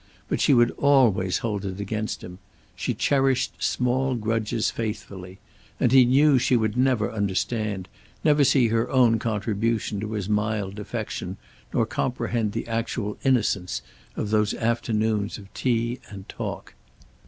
But she would always hold it against him. She cherished small grudges faithfully. And he knew she would never understand, never see her own contribution to his mild defection, nor comprehend the actual innocence of those afternoons of tea and talk.